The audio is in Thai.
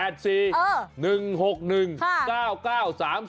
นี่ฉันอ่านให้ก็ได้